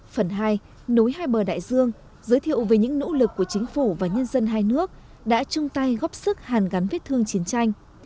phần hai nối hai bờ đại dương giới thiệu về những nỗ lực của chính phủ và nhân dân hai nước đã chung tay góp sức hàn gắn vết thương chiến tranh